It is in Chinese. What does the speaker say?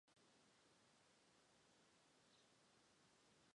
糖山南侧就是中央公园。